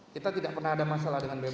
kita tidak pernah ada masalah dengan bbm